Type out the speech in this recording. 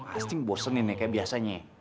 pasti ngebosenin ya kayak biasanya